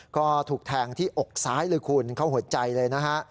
ก็ถูกแทงที่อกซ้ายเลยคุณเข้าหัวใจเลยนะฮะ